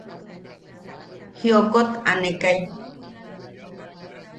Jiokot aanekai.